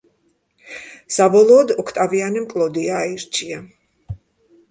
საბოლოოდ, ოქტავიანემ კლოდია აირჩია.